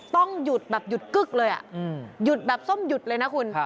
ต้องหยุดแบบหยุดกึ๊กเลยหยุดแบบส้มหยุดเลยนะคุณ